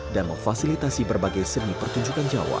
dan memfasilitasi berbagai seni pertunjukan jawa